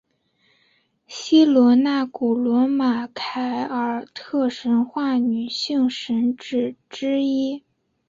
希罗纳古罗马凯尔特神话女性神只之一。